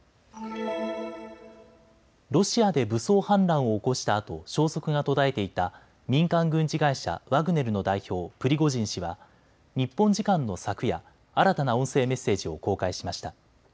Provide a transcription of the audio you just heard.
ロシアで武装反乱を起こしたあと消息が途絶えていた民間軍事会社ワグネルの代表、プリゴジン氏は日本時間の昨夜、新たな音声メッセージを公開しました。